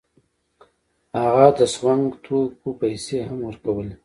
هغه د سونګ توکو پیسې هم ورکولې.